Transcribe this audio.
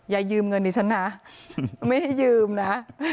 อย่ายืมเงินดิฉันนะไม่ให้ยืมนะ